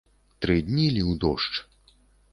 Тры дні ліў дождж.